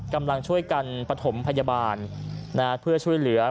กำลังช่วยกันปฐมพยาบาลเพื่อช่วยเหลือ